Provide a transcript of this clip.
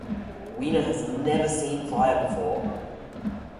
Weena has never seen fire before.